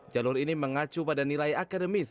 jalur ini mengacu pada nilai akademis